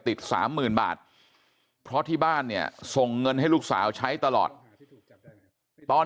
สามหมื่นบาทเพราะที่บ้านเนี่ยส่งเงินให้ลูกสาวใช้ตลอดตอน